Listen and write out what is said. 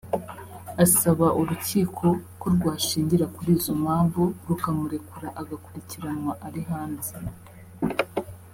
asaba urukiko ko rwashingira kuri izo mpamvu rukamurekura agakurikiranwa ari hanze